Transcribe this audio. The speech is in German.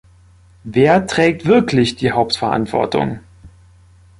Wer trägt wirklich die Hauptverantwortung?